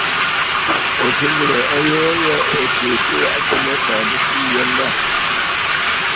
Ò tɨ ghɨ̀rə̀ ayoo ya ò tsee kɨ waʼatə mə kaa bɨ sɨ yə mbâ.